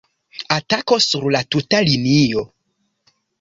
Atako sur la tuta linio!